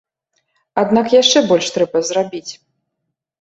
Аднак яшчэ больш трэба зрабіць.